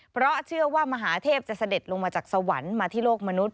เพราะเชื่อว่ามหาเทพจะเสด็จลงมาจากสวรรค์มาที่โลกมนุษย